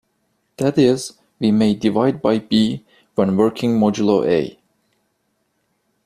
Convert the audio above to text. That is, we may "divide by "b" when working modulo "a".